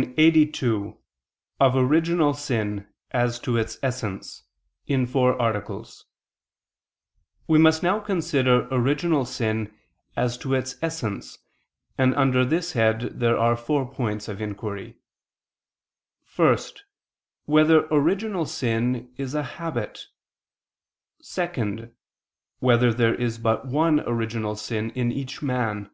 ________________________ QUESTION 82 OF ORIGINAL SIN, AS TO ITS ESSENCE (Question 82) We must now consider original sin as to its essence, and under this head there are four points of inquiry: (1) Whether original sin is a habit? (2) Whether there is but one original sin in each man?